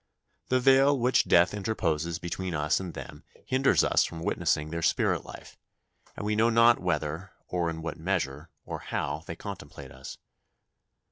The veil which death interposes between us and them hinders us from witnessing their spirit life, and we know not whether, or in what measure, or how, they contemplate us.